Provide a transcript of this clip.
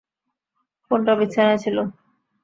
ফোনটা বিছানায় ছিল।